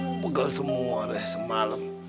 oh pegang semua deh semalam